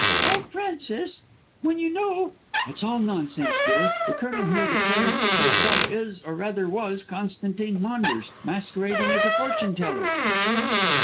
"Oh, Frances, when you know " "It's all nonsense, dear. The Colonel here declares that Diabella is, or rather was, Constantine Maunders, masquerading as a fortune teller."